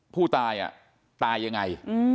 ผู้ตายตายยังไง